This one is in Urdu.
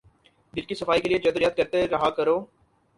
دل کی صفائی کے لیے جد و جہد کرتے رہا کرو